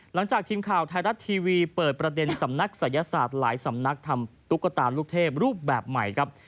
หลังจากทีมข่าวไทยรัฐทีวีเปิดประเด็นสำนักศัยศาสตร์หลายสำนักทำตุ๊กตาลูกเทพรูปแบบใหม่ครับ